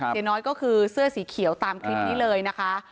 เสียน้อยก็คือเสื้อสีเขียวตามคลิปนี้เลยนะคะ